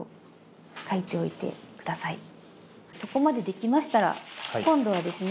そこまでできましたら今度はですね